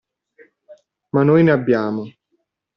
Ma noi ne abbiamo.